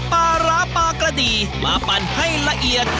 ปลาร้าปลากระดีมาปั่นให้ละเอียด